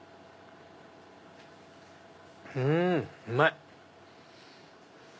うんうまい！